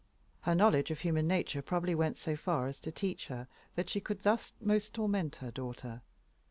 Her knowledge of human nature probably went so far as to teach her that she could thus most torment her daughter.